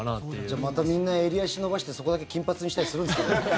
じゃあ、またみんな襟足伸ばしてそこだけ金髪にしたりするんですかね。